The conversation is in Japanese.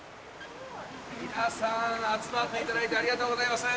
皆さん集まっていただいてありがとうございます。